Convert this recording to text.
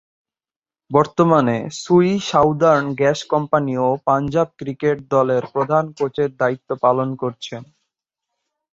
বর্তমানে Sui Southern Gas Company ও Punjab cricket দলের প্রধান কোচের দায়িত্ব পালন করছেন।